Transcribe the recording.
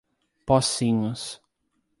Pocinhos